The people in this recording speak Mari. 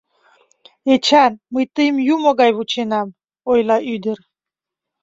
Эчан, мый тыйым юмо гай вученам, — ойла ӱдыр.